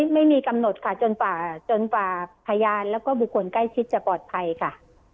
ไม่มีกำหนดค่ะจนกว่าพยานแล้วก็บุคคลใกล้ชิดจะปลอดภัยค่ะ